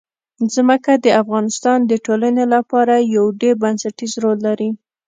ځمکه د افغانستان د ټولنې لپاره یو ډېر بنسټيز رول لري.